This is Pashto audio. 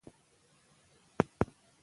د بولان پټي د افغانانو د ژوند طرز اغېزمنوي.